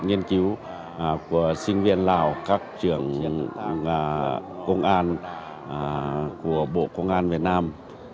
nghiên cứu của sinh viên lào các trưởng công an của bộ công an việt nam